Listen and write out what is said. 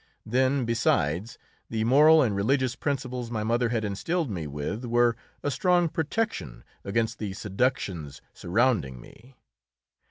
Then, besides, the moral and religious principles my mother had instilled me with were a strong protection against the seductions surrounding me.